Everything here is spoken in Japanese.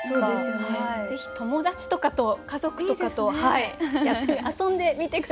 ぜひ友達とかと家族とかと遊んでみて下さい。